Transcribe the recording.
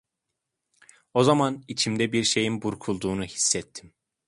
O zaman içimde bir şeyin burkulduğunu hissettim.